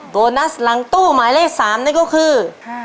โบนัสหลังตู้หมายเลข๓นั่นก็คือ